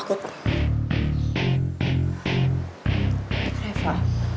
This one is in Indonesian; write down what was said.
aku tidak mau aku dengan kamu terus seperti ini